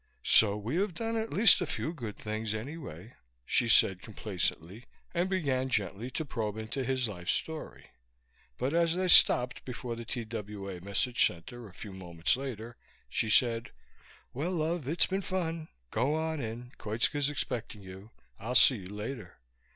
So we have done at least a few good things, anyway," she said complacently, and began gently to probe into his life story. But as they stopped before the TWA message center, a few moments later, she said, "Well, love, it's been fun. Go on in; Koitska's expecting you. I'll see you later."